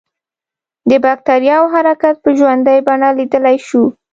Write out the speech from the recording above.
د بکټریاوو حرکت په ژوندۍ بڼه لیدلای شو.